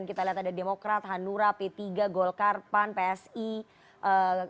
tim liputan cnn indonesia